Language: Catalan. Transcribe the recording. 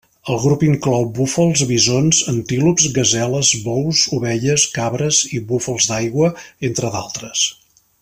El grup inclou búfals, bisons, antílops, gaseles, bous, ovelles, cabres i búfals d'aigua, entre d'altres.